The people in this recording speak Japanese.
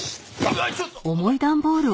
うわっちょっと。